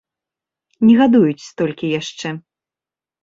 Не гадуюць столькі яшчэ.